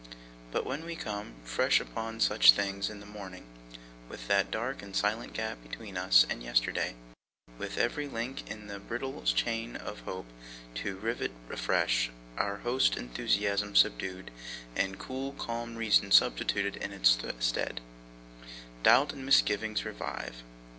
But when we come, fresh, upon such things in the morning, with that dark and silent gap between us and yesterday; with every link in the brittle chain of hope, to rivet afresh; our hot enthusiasm subdued, and cool calm reason substituted in its stead; doubt and misgiving revive.